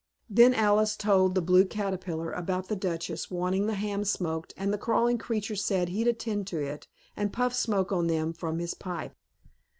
Then Alice told the Blue Caterpillar about the Duchess wanting the hams smoked and the crawling creature said he'd attend to it, and puff smoke on them from his pipe.